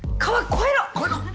越えろ！